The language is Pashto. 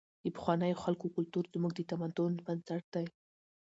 د پخوانیو خلکو کلتور زموږ د تمدن بنسټ دی.